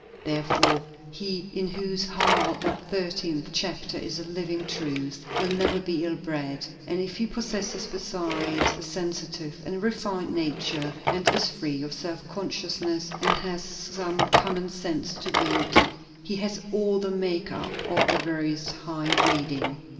Therefore he in whose heart that thirteenth chapter is a living truth, will never be ill bred; and if he possesses besides a sensitive and refined nature, and is free of self consciousness, and has some common sense to boot, he has all the make up of the veriest high breeding.